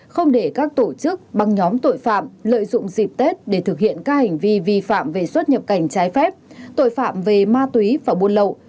không để các tổ chức băng nhóm tội phạm lợi dụng dịp tết để thực hiện các hành vi vi phạm về xuất nhập cảnh trái phép tội phạm về ma túy và buôn lậu